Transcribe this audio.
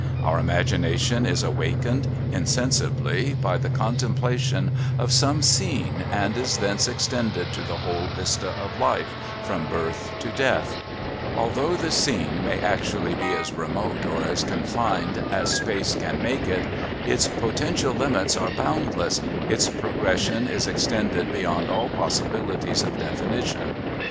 Our imagination is awakened, insensibly, by the contemplation of some scene and is thence extended to the whole vista of life, from birth to death; although the scene may actually be as remote or as confined as space can make it, its potential limits are boundless, its progression is extended beyond all possibilities of definition.